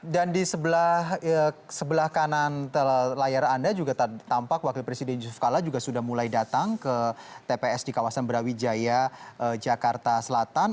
dan di sebelah kanan layar anda juga tampak wakil presiden yusuf kalla juga sudah mulai datang ke tps di kawasan berawijaya jakarta selatan